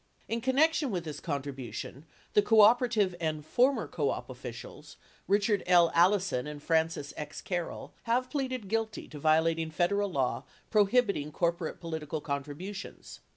In connection with this contribution, the cooperative and former co op officials, Richard L. Allison and Francis X. Carroll, have pleaded guilty to violating Federal law prohibiting corporate political contributions.